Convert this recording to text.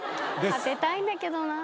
当てたいんだけどな。